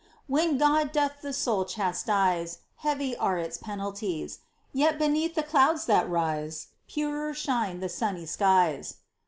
When God doth the soul chastise Heavy are its penalties, Yet beneath the clouds that rise Purer shine the sunny skies